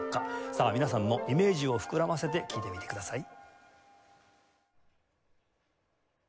さあ皆さんもイメージを膨らませて聴いてみてください。